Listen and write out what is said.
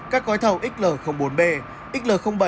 các gói thầu xl bốn b xl bảy